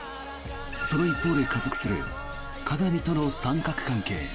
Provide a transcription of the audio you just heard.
その一方で加速する加賀美との三角関係。